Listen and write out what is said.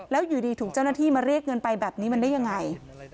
แล้วอยู่ดีถูกเจ้าหน้าที่มาเรียกเงินไปแบบนี้มันได้ยังไง